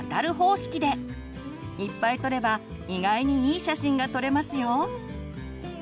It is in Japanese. いっぱい撮れば意外にいい写真が撮れますよ！